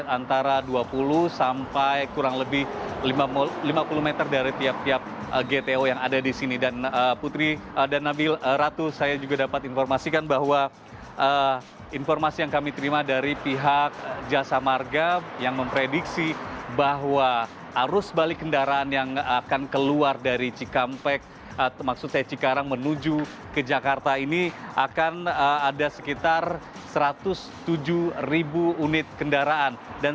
antara dua puluh sampai kurang lebih lima puluh meter dari tiap tiap gto yang ada di sini dan putri dan nabil ratu saya juga dapat informasikan bahwa informasi yang kami terima dari pihak jasa marga yang memprediksi bahwa arus balik kendaraan yang akan keluar dari cikampek maksudnya cikarang menuju ke jakarta ini akan ada sekitar satu ratus tujuh ribu unit kendaraan